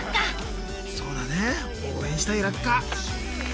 そうだね応援したいラッカ。